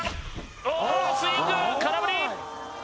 おスイング空振り！